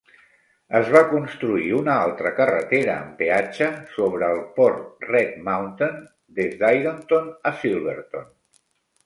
Es va construir una altra carretera amb peatge sobre el port Red Mountain, des d'Ironton a Silverton.